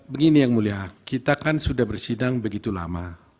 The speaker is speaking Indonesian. begini yang mulia kita kan sudah bersidang begitu lama